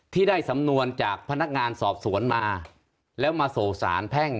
ที่ได้สำนวนจากพนักงานสอบสวนมาแล้วมาสู่สารแพ่ง